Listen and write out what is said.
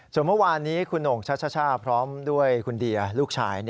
ส่วนเมื่อวานนี้คุณหน่งชัชชาพร้อมด้วยคุณเดียลูกชาย